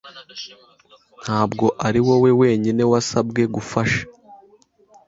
Ntabwo ari wowe wenyine wasabwe gufasha.